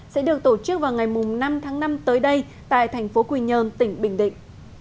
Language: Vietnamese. sẽ được tổ chức vào ngày năm tháng năm tới đây tại thành phố quy nhơn tỉnh bình định